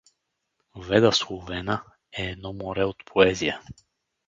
Веда Словена е едно море от поезия!